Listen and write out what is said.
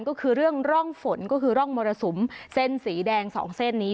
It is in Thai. ก็คือเรื่องร่องฝนก็คือร่องมรสุมเส้นสีแดงสองเส้นนี้